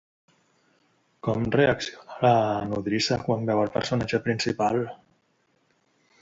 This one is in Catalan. Com reacciona la nodrissa quan veu el personatge principal?